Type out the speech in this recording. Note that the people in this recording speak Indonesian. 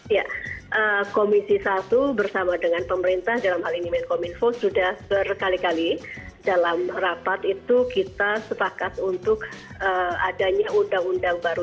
ya komisi satu bersama dengan pemerintah dalam hal ini menkominfo sudah berkali kali dalam rapat itu kita sepakat untuk adanya undang undang baru